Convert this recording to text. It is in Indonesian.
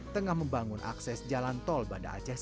tengah membangun akses jalan tol bandar aceh sisi